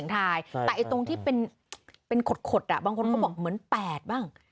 แต่ตรงที่คดบางคนคือ๘บ้าง